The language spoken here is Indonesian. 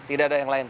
tidak ada yang lain